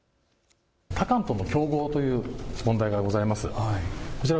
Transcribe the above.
他館との競合という問題がございます。